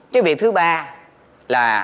cái việc thứ ba là